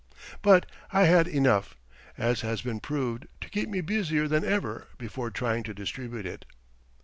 But I had enough, as has been proved, to keep me busier than ever before, trying to distribute it.